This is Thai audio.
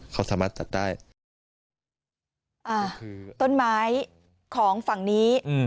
เขาสามารถตัดได้อ่าคือต้นไม้ของฝั่งนี้อืม